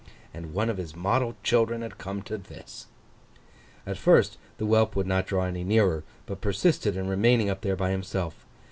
And one of his model children had come to this! At first the whelp would not draw any nearer, but persisted in remaining up there by himself.